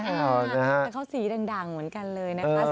แต่เขาสีดังเหมือนกันเลยนะคะ